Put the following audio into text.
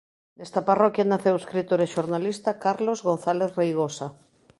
Nesta parroquia naceu o escritor e xornalista Carlos González Reigosa.